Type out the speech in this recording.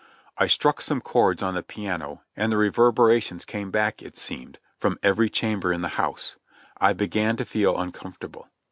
I struck some chords on the piano and the reverberations came back, it seemed, from every chamber in the house, I began to feel un comfortable.